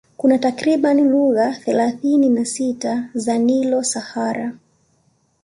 Kuna takriban lugha thelathini na sita za Nilo Sahara